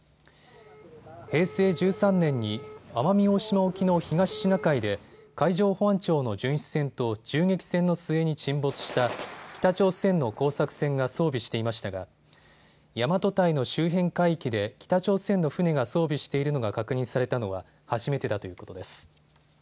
平成１３年に奄美大島沖の東シナ海で海上保安庁の巡視船と銃撃戦の末に沈没した北朝鮮の工作船が装備していましたが大和堆の周辺海域で北朝鮮の船が装備しているのが確認されたのは初めてだということです。